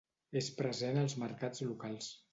És present als mercats locals.